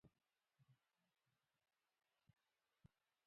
د بښنې خصلت خپل کړئ.